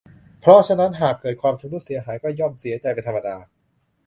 เพราะฉะนั้นหากเกิดความชำรุดเสียหายก็ย่อมเสียใจเป็นธรรมดา